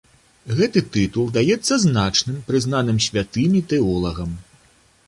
Гэты тытул даецца значным, прызнаным святымі, тэолагам.